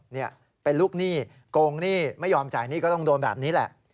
นี่เป็นลูกหนี้โกงหนี้ไม่ยอมจ่ายหนี้ก็ต้องโดนแบบนี้แหละ